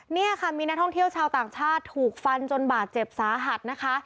นี่ค่ะมีนักท่องเที่ยวชาวต่างชาติถูกฟันจนบาดเจ็บสาหัสนะคะ